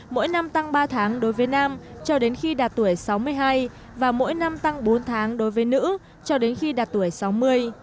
mỗi năm tăng ba tháng đối với nam cho đến khi đạt tuổi sáu mươi hai và mỗi năm tăng bốn tháng đối với nữ cho đến khi đạt tuổi sáu mươi